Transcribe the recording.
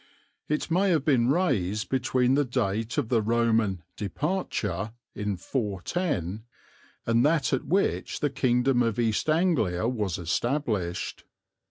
It may have been raised between the date of the Roman "departure," in 410, and that at which the kingdom of East Anglia was established.